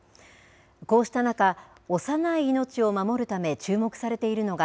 こうした中、幼い命を守るため注目されているのが